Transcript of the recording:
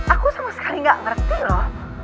aku sama sekali nggak ngerti loh